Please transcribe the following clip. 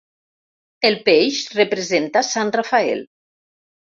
El peix representa sant Rafael.